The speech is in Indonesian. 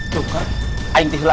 tuh pak ain tihla